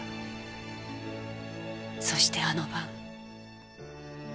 そしてあの晩。